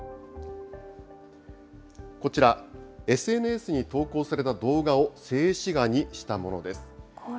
こちら、ＳＮＳに投稿された動画を静止画にしたものです。